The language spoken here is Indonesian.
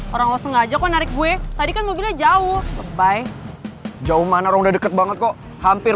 orang sengaja kondek gue tadi kan mobilnya jauh bye jauh mana udah deket banget kok hampir